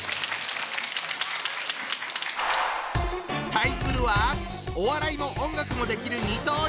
対するはお笑いも音楽もできる二刀流芸人。